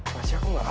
masya aku gak ada